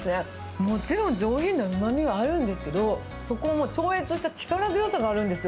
もちろん上品なうまみがあるんですけど、そこを超越した力強さがあるんですよ。